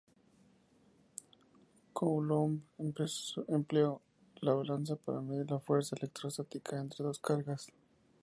Coulomb empleó la balanza para medir la fuerza electrostática entre dos cargas.